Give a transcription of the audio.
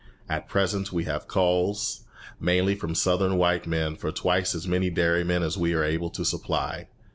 At present we have calls, mainly from Southern white men, for twice as many dairymen as we are able to supply.